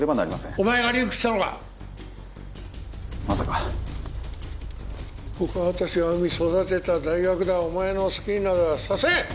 お前がリークしたのかまさかここは私がうみ育てた大学だお前の好きになどはさせん！